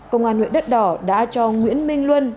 công an huyện đất đỏ đã cho nguyễn minh luân